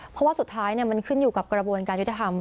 เพราะว่าสุดท้ายมันขึ้นอยู่กับกระบวนการยุติธรรม